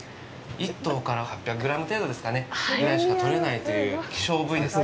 １頭から８００グラム程度ぐらいしか取れないという希少部位ですね。